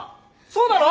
そうだろ？